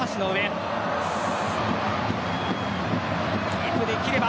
キープできれば。